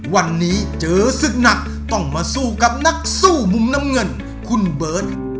วันนี้เจอศึกหนักต้องมาสู้กับนักสู้มุมน้ำเงินคุณเบิร์ต